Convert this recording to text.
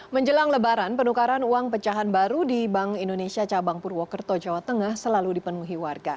menjelang lebaran penukaran uang pecahan baru di bank indonesia cabang purwokerto jawa tengah selalu dipenuhi warga